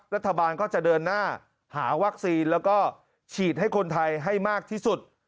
รัฐบาลก็จะเดินหน้าหาวัคซีนแล้วก็ฉีดให้คนไทยให้มากที่สุด